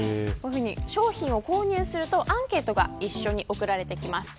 商品を購入するとアンケートが一緒に送られてきます。